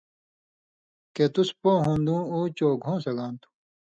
کہ تُس پو ہون٘دُوں اُو چو گُھوں سگان تُھو۔